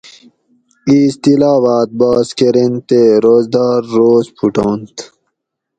اِیس تلاواۤت باس کۤرینت تے روزدار روز پھوٹانت